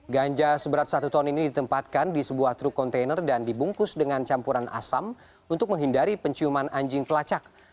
ganja seberat satu ton ini ditempatkan di sebuah truk kontainer dan dibungkus dengan campuran asam untuk menghindari penciuman anjing pelacak